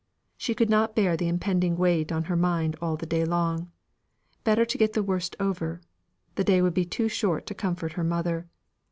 She could not bear the impending weight on her mind all day long: better get the worst over; the day would be too short to comfort her mother.